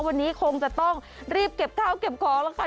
วันนี้คงจะต้องรีบเก็บข้าวเก็บของแล้วค่ะ